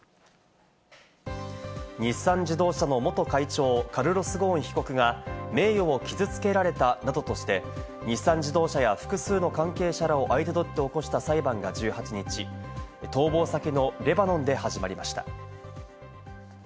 日産自動車の元会長、カルロス・ゴーン被告が名誉を傷つけられたなどとして、日産自動車や複数の関係者らを相手取って起こした裁判が１８日、逃亡先のレバノンで始まりました。